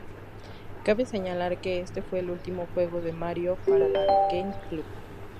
Cabe señalar, que este fue el último juego de "Mario" para la GameCube.